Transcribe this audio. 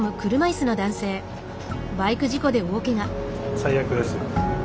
最悪ですよ。